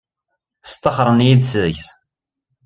Staxren-iyi-d seg-s.